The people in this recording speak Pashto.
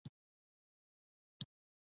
هغه وږمه، وږمه لفظونه ، نه وه